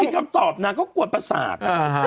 พี่ก่อนตอบน่ะก็กวนประสาท